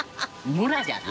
村じゃな。